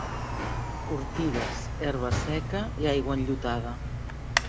Ortigues, herba seca i aigua enllotada